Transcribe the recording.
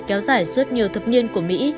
kéo dài suốt nhiều thập niên của mỹ